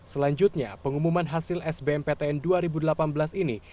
selanjutnya pengumuman hasil sbm ptn dua ribu delapan belas ini